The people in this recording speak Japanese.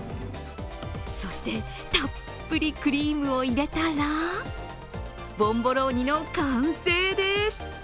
そして、たっぷりクリームを入れたらボンボローニの完成です。